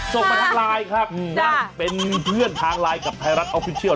ส่งมาทางไลน์ครับว่าเป็นเพื่อนทางไลน์กับไทยรัฐออฟฟิเชียล